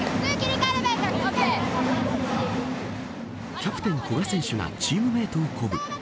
キャプテン古賀選手がチームメイトを鼓舞。